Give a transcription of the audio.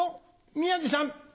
宮治さん